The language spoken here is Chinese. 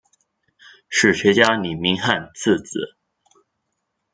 史学家李铭汉次子。